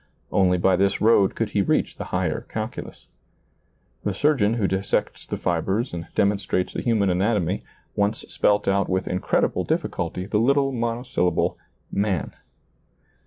Only by this road could he reach the higher calculus. The surgeon who dissects the fibers and demon strates the human anatomy once spelt out with incredible diiliculty the little monosyllable " man."